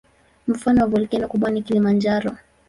Mfano wa volkeno kubwa ni Kilimanjaro.